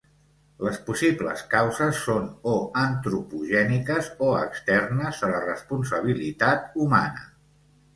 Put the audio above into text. Les possibles causes són o antropogèniques o externes a la responsabilitat humana.